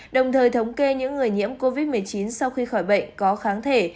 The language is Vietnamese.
đồng thời thống kê những người nhiễm covid một mươi chín sau khi khỏi bệnh có kháng thể